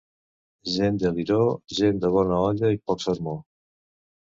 Gent de Liró, gent de bona olla i poc sermó.